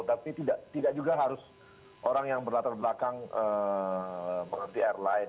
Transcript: tapi tidak juga harus orang yang berlatar belakang mengerti airline